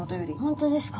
本当ですか？